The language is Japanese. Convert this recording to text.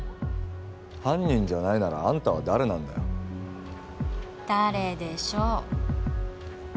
犯人じゃないならあんたは誰なんだよ誰でしょう？